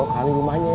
sona kali rumahnya